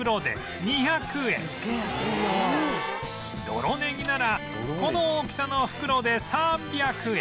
泥ねぎならこの大きさの袋で３００円